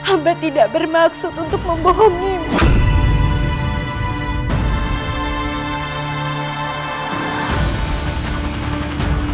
amba tidak berani mengatakan hal itu kepadamu gusti raden